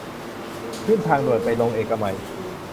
ขึ้นทางด่วนไปลงเอกมัย